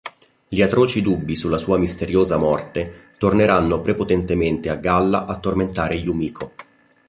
Gli atroci dubbi sulla sua misteriosa morte torneranno prepotentemente a galla a tormentare Yumiko.